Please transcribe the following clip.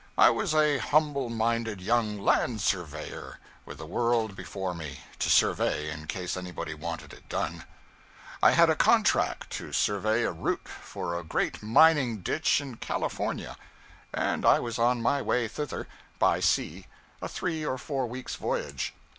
I was a humble minded young land surveyor, with the world before me to survey, in case anybody wanted it done. I had a contract to survey a route for a great mining ditch in California, and I was on my way thither, by sea a three or four weeks' voyage.